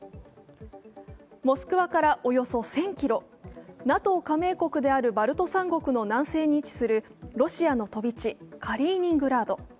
モスクワからおよそ１０００ｋｍ、ＮＡＴＯ加盟国であるバルト三国の南西に位置するロシアの飛び地・カリーニングラード。